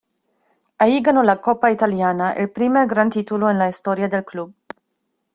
Allí ganó la copa italiana, el primer gran título en la historia del club.